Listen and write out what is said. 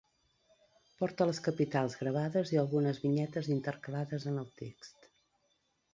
Porta les capitals gravades i algunes vinyetes intercalades en el text.